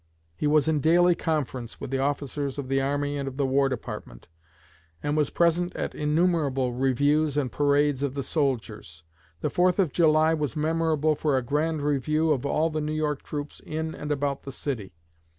He was in daily conference with the officers of the army and of the War Department, and was present at innumerable reviews and parades of the soldiers. The 4th of July was memorable for a grand review of all the New York troops in and about the city.